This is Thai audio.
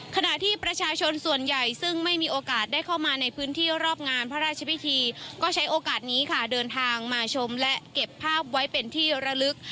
ขณะที่ประชาชนส่วนใหญ่ซึ่งไม่มีโอกาสได้เข้ามาในพื้นที่รอบงานพระราชพิธีก็ใช้โอกาสนี้ค่ะเดินทางมาชมและเก็บภาพไว้เป็นที่ระลึก